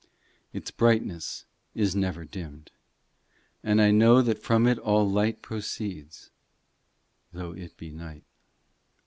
Its brightness is never dimmed, And I know that from it all light proceeds, Though it be night.